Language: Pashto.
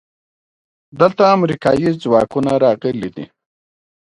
پوهېږي چې په چیني باندې د خلکو ظلم نه ښه کېږي.